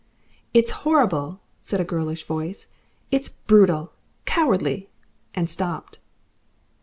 "It's horrible," said a girlish voice; "it's brutal cowardly " And stopped.